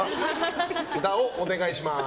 札をお願いします。